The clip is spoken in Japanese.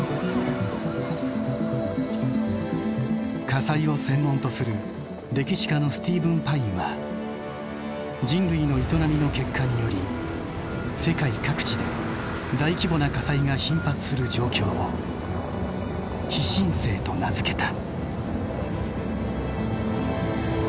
火災を専門とする歴史家のスティーヴン・パインは人類の営みの結果により世界各地で大規模な火災が頻発する状況を「火新世」と名付けた。